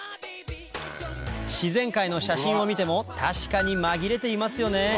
自然界の写真を見ても確かに紛れていますよね